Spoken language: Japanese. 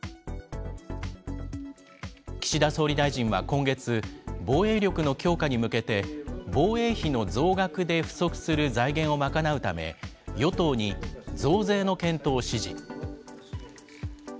岸田総理大臣は今月、防衛力の強化に向けて防衛費の増額で不足する財源を賄うため、与党に増税の検討を指示。